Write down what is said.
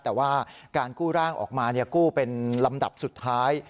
แต่ว่าการกู้ร่างออกมากู้เป็นลำดับสุดท้าย